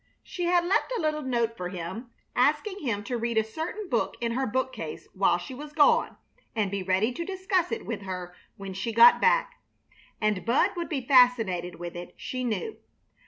She had left a little note for him, asking him to read a certain book in her bookcase while she was gone, and be ready to discuss it with her when she got back, and Bud would be fascinated with it, she knew.